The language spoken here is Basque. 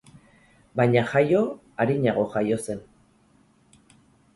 Baina jaio arinago jaio zen.